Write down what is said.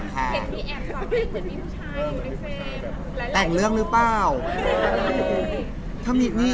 แต่งเรื่องรึเปร่า